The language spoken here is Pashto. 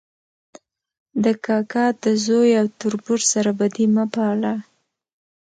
د کاکا د زوی او تربور سره بدي مه پاله